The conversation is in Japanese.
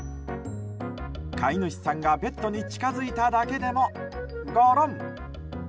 飼い主さんが、ベッドに近づいただけでもゴロン。